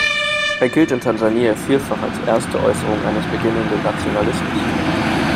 Er gilt in Tansania vielfach als erste Äußerung eines beginnenden Nationalismus.